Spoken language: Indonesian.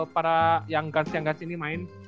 para yang guns yang guns ini main